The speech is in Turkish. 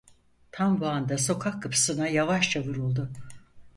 Tam bu anda sokak kapısına yavaşça vuruldu.